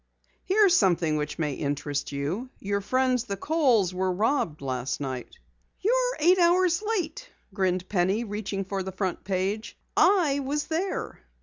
Here's something which may interest you. Your friends the Kohls were robbed last night." "You're eight hours late," grinned Penny, reaching for the front page. "I was there."